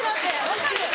分かる！